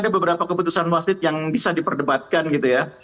ada beberapa keputusan wasit yang bisa diperdebatkan gitu ya